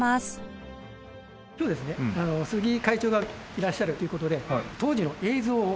今日ですね鈴木会長がいらっしゃるという事で当時の映像を。